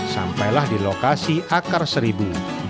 sampailah di lokasi akar seribu